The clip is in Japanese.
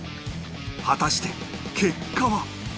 果たして結果は？